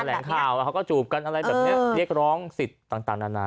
แหล่งข่าวแล้วเขาก็จูบกันอะไรแบบนี้เรียกร้องสิทธิ์ต่างนานา